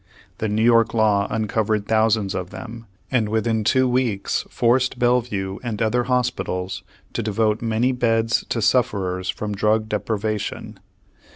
The New York law uncovered thousands of them, and within two weeks forced Bellevue and other hospitals to devote many beds to sufferers from drug deprivation.